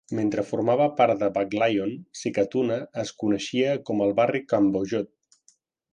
Mentre formava part de Baclayon, Sikatuna es coneixia com el barri Cambojod.